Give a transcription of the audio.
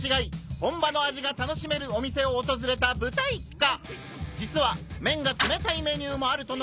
本場の味が楽しめるお店を訪れた「豚一家」！